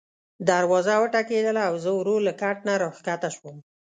دروازه وټکېدله او زه ورو له کټ نه راکښته شوم.